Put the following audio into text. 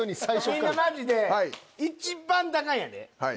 みんなマジでいちばん高いんやで。